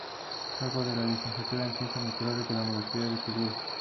Luego se licencia en Ciencias Naturales en la Universidad de Friburgo.